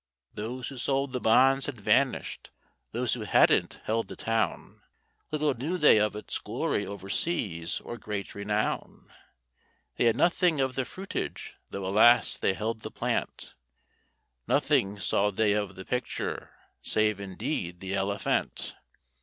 Those who sold the bonds had vanished, those who hadn't held the town, Little knew they of its glory over seas or great renown. They had nothing of the fruitage, though, alas! they held the plant, Nothing saw they of the picture, save, indeed, the Elephant.